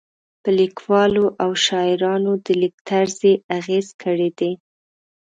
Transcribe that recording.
په لیکوالو او شاعرانو د لیک طرز یې اغېز کړی دی.